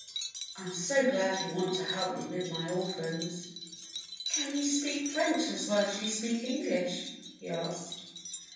I'm so glad you want to help me with my orphans." "Can you speak French as well as you speak Eng lish?" he asked.